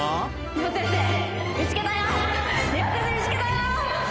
見つけたよ！